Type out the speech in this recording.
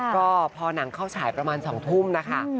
ก็พอหนังเข้าฉายประมาณ๒ทุ่มนะคะ